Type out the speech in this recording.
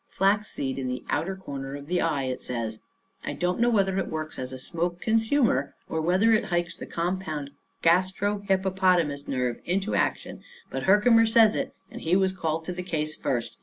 Flaxseed in the outer corner of the eye, it says. I don't know whether it works as a smoke consumer or whether it hikes the compound gastro hippopotamus nerve into action, but Herkimer says it, and he was called to the case first.